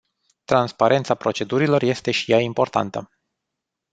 Transparența procedurilor este și ea importantă.